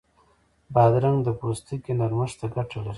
بادرنګ د پوستکي نرمښت ته ګټه لري.